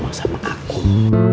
masak paka kum